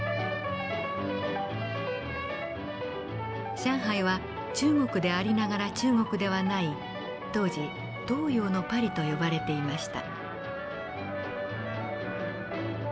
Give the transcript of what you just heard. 上海は中国でありながら中国ではない当時東洋のパリと呼ばれていました。